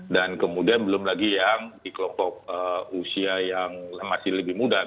dan kemudian belum lagi yang di kelompok usia yang masih lebih muda